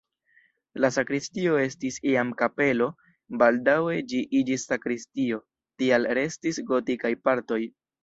La sakristio estis iam kapelo, baldaŭe ĝi iĝis sakristio, tial restis gotikaj partoj.